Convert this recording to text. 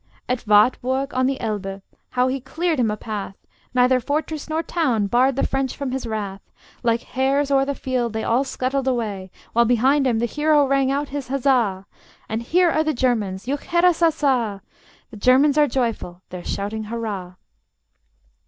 At Wartburg, on the Elbe, how he cleared him a path! Neither fortress nor town barred the French from his wrath; Like hares o'er the field they all scuttled away, While behind them the hero rang out his Huzza! And here are the Germans: juchheirassassa! The Germans are joyful: they're shouting hurrah!